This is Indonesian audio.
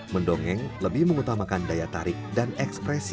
mendongeng lebih mengutamakan daya tarik dan ekspresi